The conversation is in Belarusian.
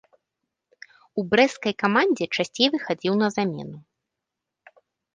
У брэсцкай камандзе часцей выхадзіў на замену.